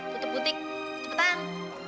tutup butik cepetan